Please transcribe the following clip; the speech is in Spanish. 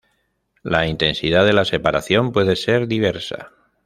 La intensidad de la separación puede ser diversa.